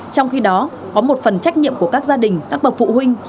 trong khi đó có một phần trách nhiệm của các gia đình các bậc phụ huynh